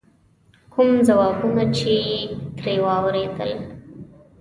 کوم ځوابونه چې یې ترې واورېدل.